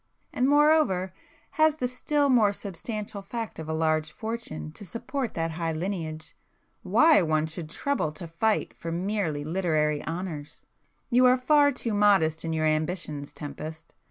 —and moreover has the still more substantial fact of a large fortune to support that high lineage, why one should trouble to fight for merely literary honours! You are far too modest in your ambitions, Tempest!